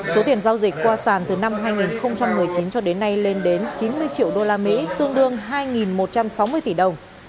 số tiền giao dịch qua sàn từ năm hai nghìn một mươi chín cho đến nay lên đến chín mươi triệu usd tương đương hai một trăm sáu mươi tỷ đồng